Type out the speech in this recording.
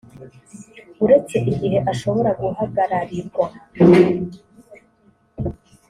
uretse igihe ashobora guhagararirwa